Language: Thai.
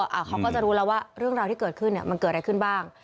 เขาก็จะรู้แล้วว่าเรื่องราวที่เกิดขึ้นเนี่ยมันเกิดอะไรขึ้นบ้าง